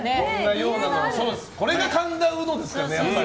これが神田うのですからね。